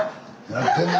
やってやんな。